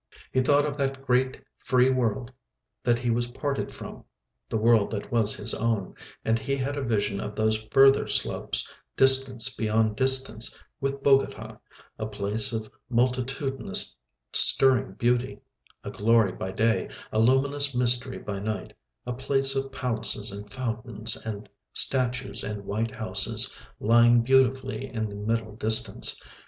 He thought of that great free world that he was parted from, the world that was his own, and he had a vision of those further slopes, distance beyond distance, with Bogota, a place of multitudinous stirring beauty, a glory by day, a luminous mystery by night, a place of palaces and fountains and statues and white houses, lying beautifully in the middle distance.